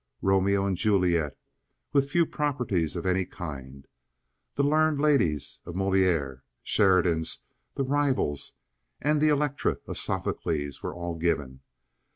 "Romeo and Juliet," with few properties of any kind, "The Learned Ladies" of Moliere, Sheridan's "The Rivals," and the "Elektra" of Sophocles were all given.